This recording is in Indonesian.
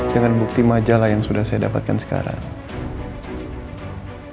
dengan bukti majalah yang sudah saya dapatkan sekarang